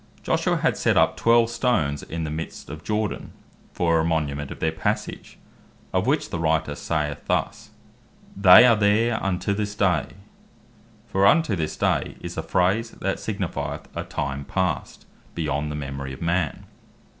Joshua had set up twelve stones in the middest of Jordan, for a monument of their passage; (Josh 4. 9) of which the Writer saith thus, "They are there unto this day;" (Josh 5. 9) for "unto this day", is a phrase that signifieth a time past, beyond the memory of man.